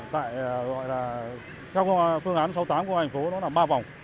tại phương án sáu mươi tám của hoa hành phố là ba vòng